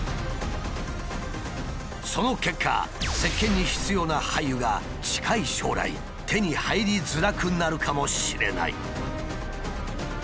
その結果せっけんに必要な廃油が近い将来手に入りづらくなるかもしれない。